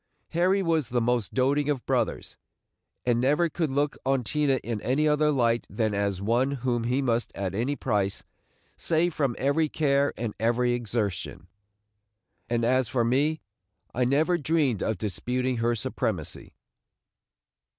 Harry was the most doting of brothers, and never could look on Tina in any other light than as one whom he must at any price save from every care and every exertion; and as for me, I never dreamed of disputing her supremacy.